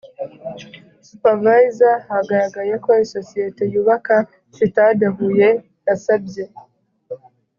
Supervisor hagaragaye ko isosiyete yubaka sitade huye yasabye